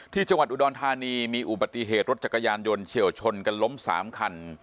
ที่จังหวัดอุดรธานีมีอุบัติเหตุรถจักรยานยนต์เฉียวชนกันล้ม๓คัน